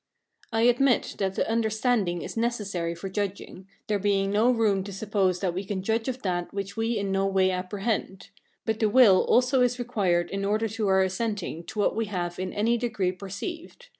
I admit that the understanding is necessary for judging, there being no room to suppose that we can judge of that which we in no way apprehend; but the will also is required in order to our assenting to what we have in any degree perceived.